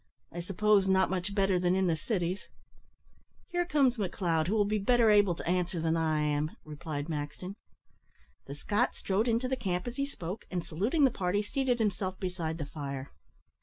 I suppose not much better than in the cities." "Here comes McLeod, who will be better able to answer than I am," replied Maxton. The Scot strode into the camp as he spoke, and, saluting the party, seated himself beside the fire.